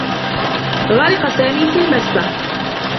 غرق سامي في المسبح.